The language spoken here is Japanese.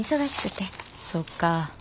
そっか。